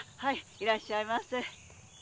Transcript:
いらっしゃいませ。